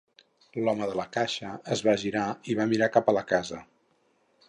L'home de la caixa es va girar i va mirar cap a la casa.